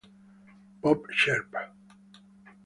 Bob Sharpe